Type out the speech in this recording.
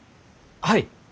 はい。